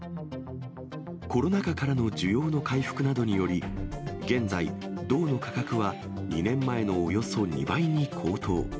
コロナ禍からの需要の回復などにより、現在、銅の価格は２年前のおよそ２倍に高騰。